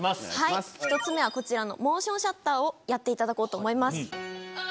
１つ目はこちらの「モーションシャッター」をやっていただこうと思います。